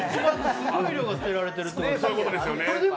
すごい量が捨てられてるってことに。